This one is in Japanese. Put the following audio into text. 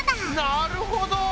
なるほど！